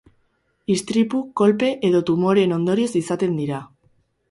Istripu, kolpe edo tumoreen ondorioz izaten dira.